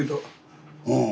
うん。